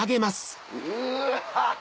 うわ！